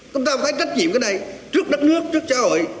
chúng ta cũng phải trách nhiệm cái này trước đất nước trước xã hội